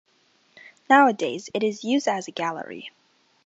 Nowadays it is used as a gallery.